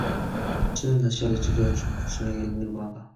춘우는 다시 어제 저녁이 눈에 보인다.